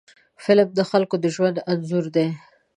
فلم د خلکو د ژوند انځور دی